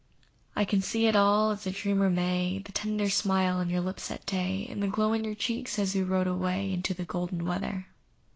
I can see it all, as a dreamer may— The tender smile on your lips that day, And the glow on your cheek as we rode away Into the golden weather.